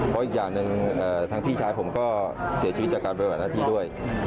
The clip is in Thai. เพราะอีกอย่างหนึ่งทางพี่ชายผมก็เสียชีวิตจากการปฏิบัติหน้าที่ด้วย